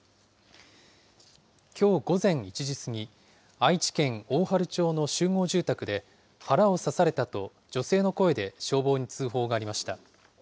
きょう午前１時過ぎ、愛知県大治町の集合住宅で、腹を刺されたと女性の声で消防に通報がありました。